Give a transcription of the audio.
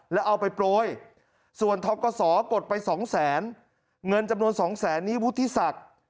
แล้วเอาไปโปรยส่วนทกศกดไปสองแสนเงินจำนวน๒แสนนี้วุฒิศักดิ์